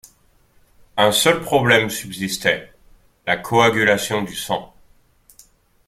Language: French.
Un seul problème subsistait, la coagulation du sang.